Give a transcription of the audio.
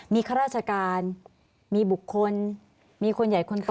มีข้าราชการมีบุคคลมีคนใหญ่คนขับ